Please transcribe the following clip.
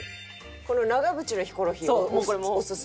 この長渕のヒコロヒーこれもおすすめやな。